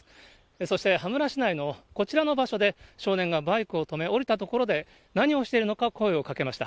そして羽村市内のこちらの場所で、少年がバイクを止め、降りた所で、何をしているのか、声を掛けました。